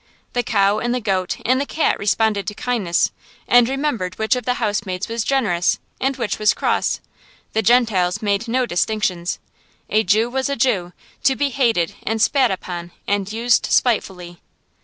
The cow and the goat and the cat responded to kindness, and remembered which of the housemaids was generous and which was cross. The Gentiles made no distinctions. A Jew was a Jew, to be hated and spat upon and used spitefully.